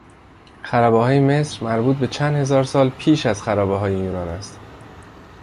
خرابههای مصر مربوط به چند هزار سال پیش از خرابههای یونان است.